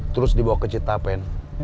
terus dibawa ke cita pen